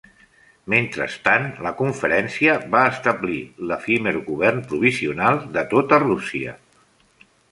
Mentrestant, la conferència va establer l'efímer govern provisional de tota Rússia.